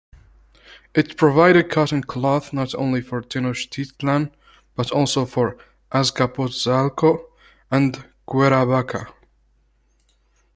It provided cotton cloth not only for Tenochtitlan, but also for Azcapotzalco and Cuerhavaca.